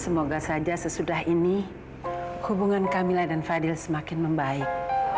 semoga saja sesudah ini hubungan kamila dan fadil semakin membaik